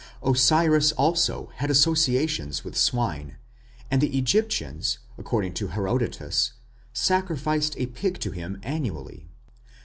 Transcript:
Osiris had also associations with swine, and the Egyptians, according to Herodotus, sacrificed a pig to him annually.